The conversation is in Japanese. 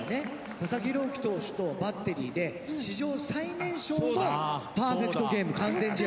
佐々木朗希投手とバッテリーで史上最年少のパーフェクトゲーム完全試合。